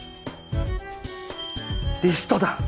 リストだ！